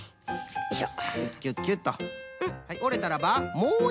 よいしょ。